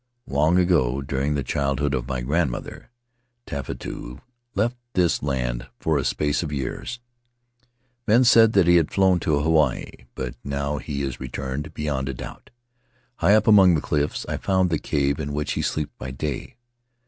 Long ago, during the childhood of my grandmother, Tefatu left this land for a space of years; men said that he had flown to Hawaii, but now he is returned beyond a doubt. High up among the cliffs I found the cave in which he sleeps by day.